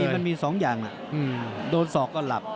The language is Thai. มันมีสองอย่างอ่ะโดนสอกก็หลับ